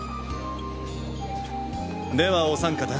ではお三方